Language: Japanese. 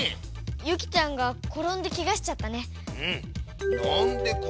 ユキちゃんがころんでケガしちゃったね。